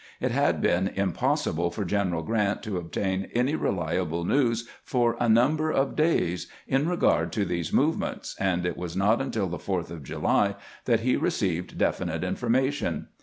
It had been impossible for General Grant to obtain any reliable news for a number of days in regard to these movements, and it was not until the 4th of July that he received definite informa tion.